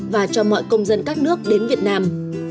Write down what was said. và cho mọi công dân các nước đến việt nam